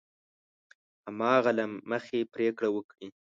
هماغه له مخې پرېکړه وکړي.